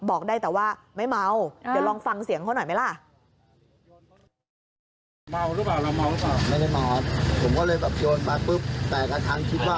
บอกได้แต่ว่าไม่เมาเดี๋ยวลองฟังเสียงเขาหน่อยไหมล่ะ